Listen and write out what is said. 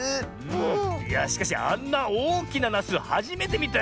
いやしかしあんなおおきななすはじめてみたよ。